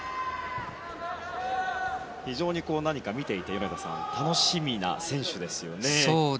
非常に見ていて米田さん楽しみな選手ですよね。